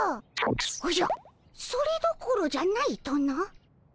おじゃそれどころじゃないとな？